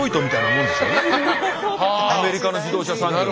アメリカの自動車産業の。